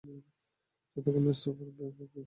যতক্ষণ না superdog crypto এসে সব ভেস্তে দিল।